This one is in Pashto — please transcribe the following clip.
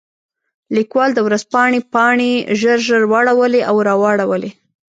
لیکوال د ورځپاڼې پاڼې ژر ژر واړولې او راواړولې.